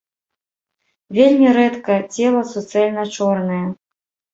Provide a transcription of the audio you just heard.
Вельмі рэдка цела суцэльна чорнае.